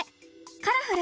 「カラフル！